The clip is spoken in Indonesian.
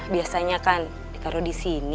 biasanya kan ditaro disini